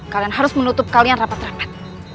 kalian harus menutup kalian rapat rapat